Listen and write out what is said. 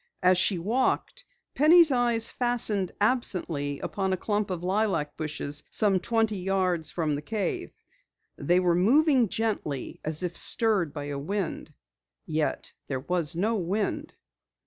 As she walked, Penny's eyes fastened absently upon a clump of lilac bushes some twenty yards from the cave. They were moving gently as if stirred by a wind. Yet there was no wind.